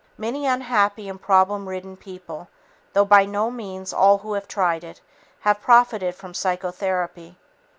Many unhappy and problem ridden people, though by no means all who have tried it, have profited from psychotherapy.